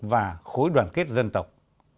và khối đoàn kết dân tộc